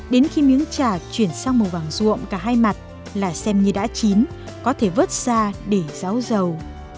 đến khi miếng trà chuyển sang màu vàng ruộng cả hai mặt là xem như đã chín có thể vớt ra để ráo dầu